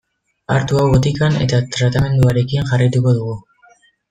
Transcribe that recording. Hartu hau botikan eta tratamenduarekin jarraituko dugu.